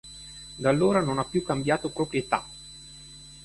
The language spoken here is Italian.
Da allora non ha più cambiato proprietà.